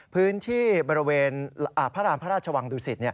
พื้นที่บริเวณพระราชวังดุสิต